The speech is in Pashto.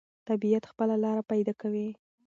طبیعت خپله لاره پیدا کوي.